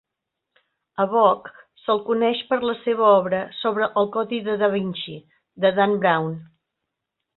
A Bock se'l coneix per la seva obra sobre el "Codi de Da Vinci" de Dan Brown.